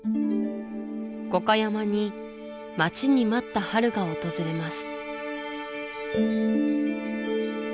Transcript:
五箇山に待ちに待った春が訪れます